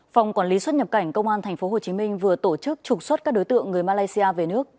phòng quản lý xuất nhập cảnh công an tp hcm vừa tổ chức trục xuất các đối tượng người malaysia về nước